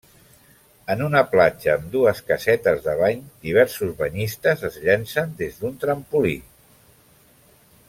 En una platja amb dues casetes de bany diversos banyistes es llancen des d'un trampolí.